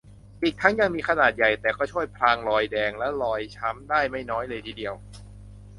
อีกทั้งยังมีขนาดใหญ่ แต่ก็ช่วยพรางรอยแดง และรอยช้ำได้ไม่น้อยเลยทีเดียว